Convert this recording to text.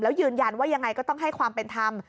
แล้วยืนยันว่ายังไงก็ต้องให้ความเป็นธรรม